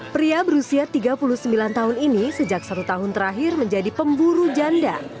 pria berusia tiga puluh sembilan tahun ini sejak satu tahun terakhir menjadi pemburu janda